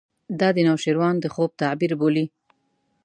دا د نوشیروان د خوب تعبیر بولي.